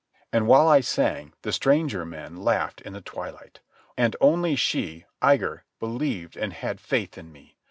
And while I sang, the stranger men laughed in the twilight. And only she, Igar, believed and had faith in me.